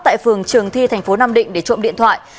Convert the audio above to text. tại phường trường thi tp nam định để trộm điện thoại